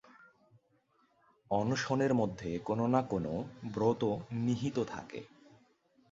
অনশনের মধ্যে কোনো-না-কোনো ব্রত নিহিত থাকে।